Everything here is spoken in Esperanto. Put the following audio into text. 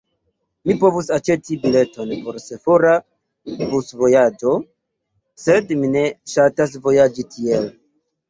Mi povus aĉeti bileton por sephora busvojaĝo, sed mi ne ŝatas vojaĝi tiel.